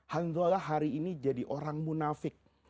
hanzalah hari ini jadi orang munafik